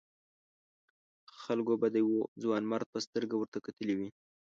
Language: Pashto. خلکو به د یوه ځوانمرد په سترګه ورته کتلي وي.